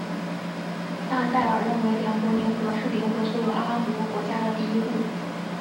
纳赛尔认为两国联合是联合所有阿拉伯国家的第一步。